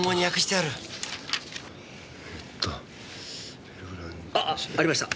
あありました。